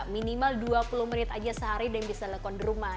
minimal dua puluh menit aja sehari dan bisa nekon di rumah